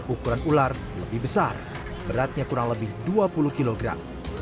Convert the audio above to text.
ukuran ular lebih besar beratnya kurang lebih dua puluh kilogram